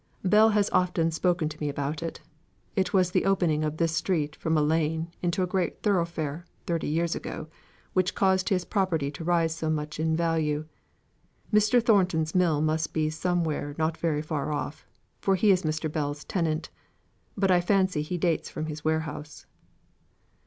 Bell has often spoken to me about it. It was the opening of this street from a lane into a great thoroughfare, thirty years ago, which has caused his property to rise so much in value. Mr. Thornton's mill must be somewhere not very far off, for he is Mr. Bell's tenant. But I fancy he dates from his warehouse."